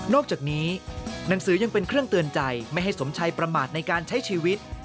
จากนี้หนังสือยังเป็นเครื่องเตือนใจไม่ให้สมชัยประมาทในการใช้ชีวิต